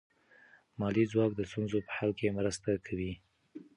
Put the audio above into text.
مالي ځواک د ستونزو په حل کې مرسته کوي.